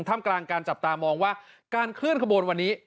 ทำกลางการจับตามองว่าการเคลื่อนขบวนวันนี้